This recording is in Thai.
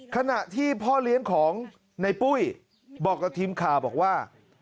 ขณะที่พ่อเลี้ยงของในปุ้ยบอกกับทีมข่าวบอกว่า